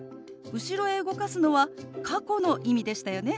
後ろへ動かすのは過去の意味でしたよね。